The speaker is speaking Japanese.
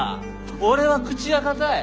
俺は口が堅い。